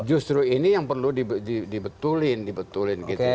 justru ini yang perlu dibetulin dibetulin gitu ya